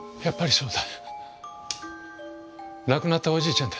そうだ。